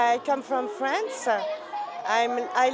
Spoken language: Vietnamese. tôi đã sống ở hà nội hai năm rồi